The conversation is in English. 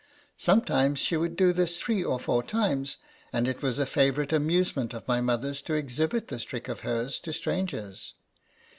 Sometimes she would do this three or four times ; and it was a favorite amusement of my mother's to exhibit this trick of hers to strangers.